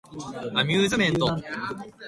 アミューズメント